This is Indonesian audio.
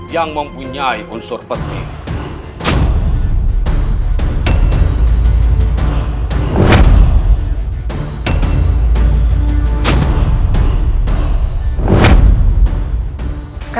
yang mempunyai unsur petir